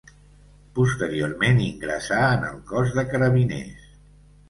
Posteriorment ingressà en el Cos de Carabiners.